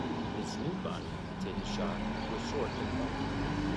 His new body, to his shock, was short and fat.